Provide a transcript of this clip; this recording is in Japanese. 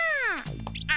あ。